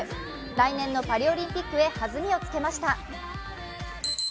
来年のパリオリンピックへはずみをつけました。